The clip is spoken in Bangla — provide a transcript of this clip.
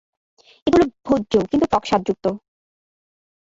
এগুলি ভোজ্য কিন্তু টক স্বাদযুক্ত।